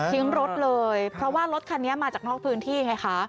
รถเลยเพราะว่ารถคันนี้มาจากนอกพื้นที่ไงคะ